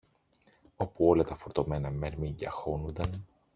όπου όλα τα φορτωμένα μερμήγκια χώνουνταν